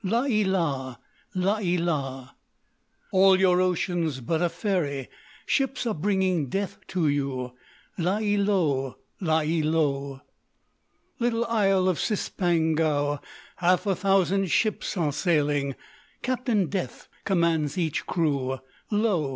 _ La ē la! La ē la! All your ocean's but a ferry; Ships are bringing death to you! La ē lou! La ē lou! "Little Isle of Cispangou, Half a thousand ships are sailing; Captain Death commands each crew; _Lo!